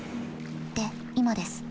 で今です。